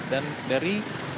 dan dari laporan yang disampaikan